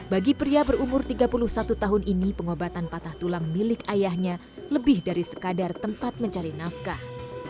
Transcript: bagi pria berumur tiga puluh satu tahun ini pengobatan patah tulang milik ayahnya lebih dari sekadar tempat mencari nafkah